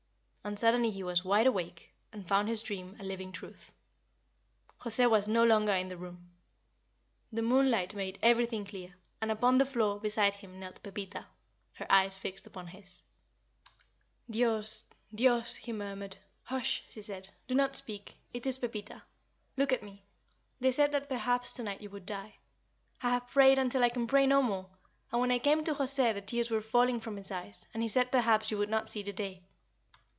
And suddenly he was wide awake, and found his dream a living truth. José was no longer in the room. The moonlight made everything clear, and upon the floor beside him knelt Pepita, her eyes fixed upon his. [Illustration: Dios! Dios! he murmured 163] "Dios! Dios!" he murmured. "Hush!" she said. "Do not speak. It is Pepita. Look at me. They said that perhaps to night you would die. I have prayed until I can pray no more, and when I came to José the tears were falling from his eyes, and he said perhaps you would not see the day.